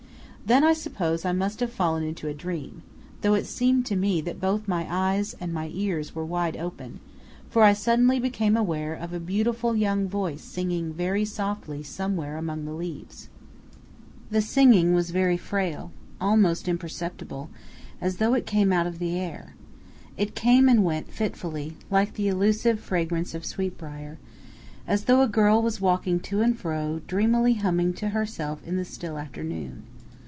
Then I suppose I must have fallen into a dream, though it seemed to me that both my eyes and my ears were wide open, for I suddenly became aware of a beautiful young voice singing very softly somewhere among the leaves. The singing was very frail, almost imperceptible, as though it came out of the air. It came and went fitfully, like the elusive fragrance of sweetbrier as though a girl was walking to and fro, dreamily humming to herself in the still afternoon.